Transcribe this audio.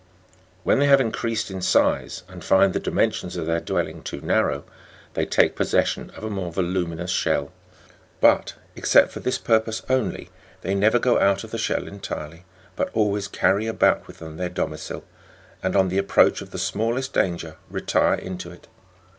When they have increased in size and find the dimen sions of their dwelling too narrow, they take possession of a more voluminous shell ; but, except for this purpose only, they never go out of the shell entirely, but always carry about with them their domicil, and on the approach of the smallest danger retire into it.